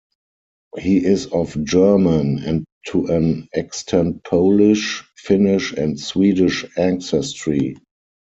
He is of German, and to an extent Polish, Finnish, and Swedish ancestry.